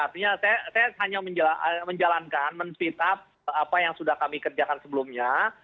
artinya saya hanya menjalankan men speed up apa yang sudah kami kerjakan sebelumnya